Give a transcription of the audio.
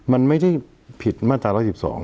มันไม่ได้ผิดมาตรา๑๑๒